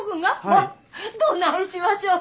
まあどないしましょう。